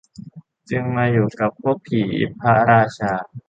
จึงมาอยู่กับพวกผีพระราชา